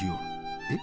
え？